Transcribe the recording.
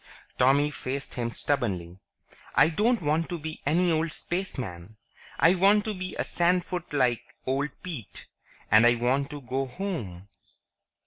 Tommy faced him stubbornly. "I don't want to be any old spaceman. I want to be a sandfoot like old Pete. And I want to go home."